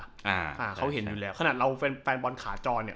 อ่าเขาเห็นอยู่แล้วขนาดเราแฟนแฟนบอลขาจรเนี้ย